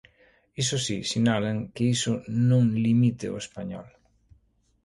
Iso si, sinalan, que iso non 'limite' o español.